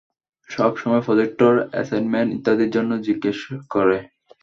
সবসময় প্রজেক্টের, অ্যাসাইনমেন্ট, ইত্যাদির জন্য জিজ্ঞাস করে।